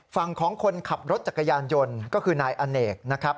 ฝั่งของคนขับรถจักรยานยนต์ก็คือนายอเนกนะครับ